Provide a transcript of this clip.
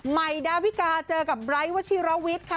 ใหม่ดาวิกาเจอกับไบร์ไวท์วัชฌีรวิสค่ะ